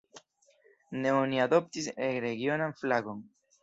Ne oni adoptis regionan flagon.